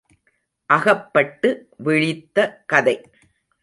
அகப்பட்டு விழித்த கதை.